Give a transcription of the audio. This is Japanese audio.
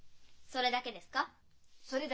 それだけです。